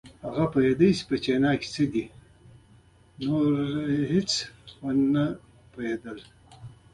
هغه پوهېده چې په چانټه کې څه شي دي، نور هېڅ ونه شول.